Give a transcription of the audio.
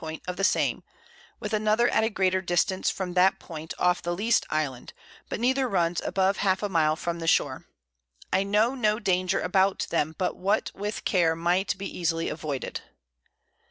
Point of the same, with another at a greater distance from that Point off the least Island, but neither runs above half a Mile from the Shore. I know no Danger about them, but what with Care might be easily avoided.